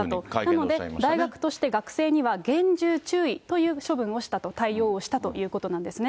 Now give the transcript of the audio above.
なので、大学として、学生には厳重注意という処分をしたと、対応をしたということなんですね。